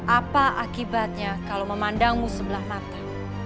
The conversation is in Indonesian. apa akibatnya kalau memandangmu sebelah mata